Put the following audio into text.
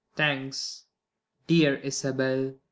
Thanks, dear Isabell.